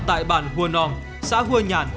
tại bàn hua nong xã hua nhàn